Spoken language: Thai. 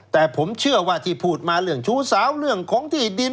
แต่ผมเชื่อว่าที่พูดมาเรื่องชู้สาวเรื่องของที่ดิน